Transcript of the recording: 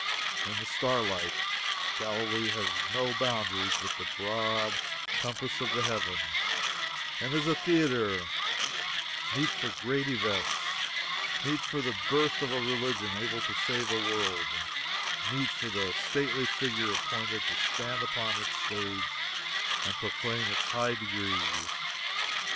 In the starlight, Galilee has no boundaries but the broad compass of the heavens, and is a theatre meet for great events; meet for the birth of a religion able to save a world; and meet for the stately Figure appointed to stand upon its stage and proclaim its high decrees.